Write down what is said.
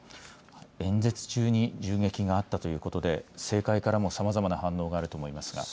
演説中に銃撃があったということで政界からも、さまざまな反応があると思いますが。